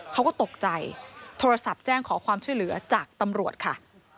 เขาก็ตกใจโทรศัพท์แจ้งขอความช่วยเหลือจากตำรวจค่ะ